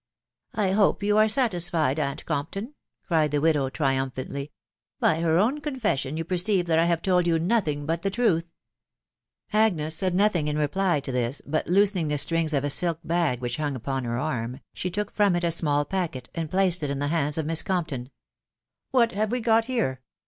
" I hope you are satisfied, aunt Compton ?" cried the wi dow triumphantly. ... t( By her own confession, yon perceive that I have told you nothing but the truth*" Agnes said nothing in reply to this, but loosening the sUansjs of a silk bag which hung upon her arm, she took front, it a. small packet, and placed it in the hands of Miss CotnptOB; u What have we got here